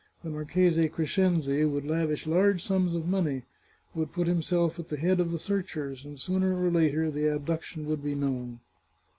The Marchese Crescenzi would lavish huge sums of money, would put himself at the head of the searchers, and sooner or later, the abduction would be known.